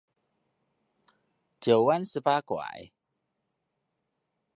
九彎十八拐